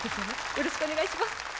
よろしくお願いします。